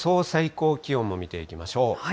最高気温も見ていきましょう。